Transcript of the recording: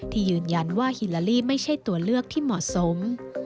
ยืนยันว่าฮิลาลีไม่ใช่ตัวเลือกที่เหมาะสม